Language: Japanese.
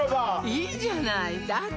いいじゃないだって